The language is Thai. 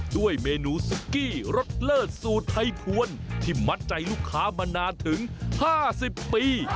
ด้วยเมนูซุกี้รสเลิศสูตรไทยพวนที่มัดใจลูกค้ามานานถึง๕๐ปี